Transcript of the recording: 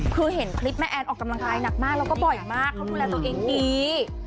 คือเห็นคลิปแม่แอนออกกำลังกายหนักมากแล้วก็บ่อยมากเขาดูแลตัวเองดี